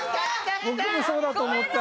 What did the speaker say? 僕もそうだと思った。